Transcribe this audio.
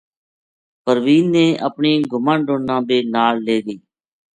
پروین نے اپنی گماہنڈن نا بے نال لے گئی